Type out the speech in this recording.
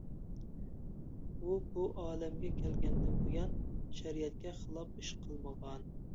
ئۇ، بۇ ئالەمگە كەلگەندىن بۇيان شەرىئەتكە خىلاپ ئىش قىلمىغان.